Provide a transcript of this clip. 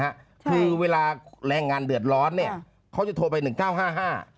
คือเวลาแรงงานเดือดร้อนเนี้ยเขาจะโทรไปหนึ่งเก้าห้าห้า